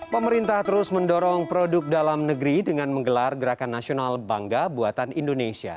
pemerintah terus mendorong produk dalam negeri dengan menggelar gerakan nasional bangga buatan indonesia